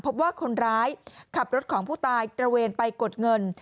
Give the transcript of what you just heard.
พบว่าคนร้ายขับรถของผู้ตายตระเวนไปกดเงิน